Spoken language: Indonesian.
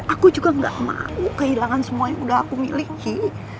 aku juga gak mau kehilangan semua yang udah aku miliki